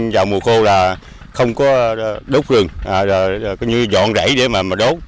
dạo mùa khô là không có đốt rừng có như dọn rẫy để mà đốt